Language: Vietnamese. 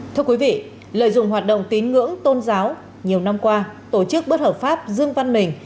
thưa quý vị lợi dụng hoạt động tín ngưỡng tôn giáo nhiều năm qua tổ chức bất hợp pháp dương văn mình